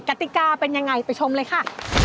กติกาเป็นยังไงไปชมเลยค่ะ